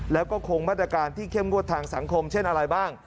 แล้วก็คงมาตรการที่เข้มงวดทางสังคมเช่นอะไรบ้าง